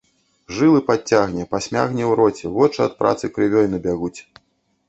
Жылы падцягне, пасмягне ў роце, вочы ад працы крывёй набягуць.